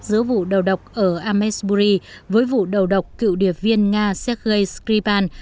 giữa vụ đầu độc ở amesbury với vụ đầu độc cựu điệp viên nga shagley skripal